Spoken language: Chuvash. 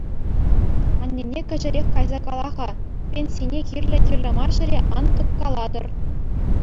Аннене кӗҫӗрех кайса кала-ха: пенсине кирлӗ-кирлӗ мар ҫӗре ан тӑккалатӑр.